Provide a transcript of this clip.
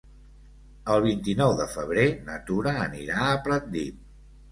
El vint-i-nou de febrer na Tura anirà a Pratdip.